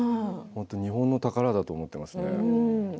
日本の宝だと思っています。